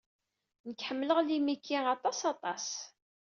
Nek ḥemleɣ limiki aṭas aṭas.